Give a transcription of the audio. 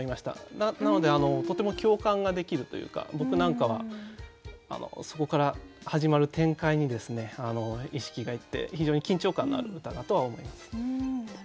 なのでとても共感ができるというか僕なんかはそこから始まる展開に意識がいって非常に緊張感のある歌だとは思います。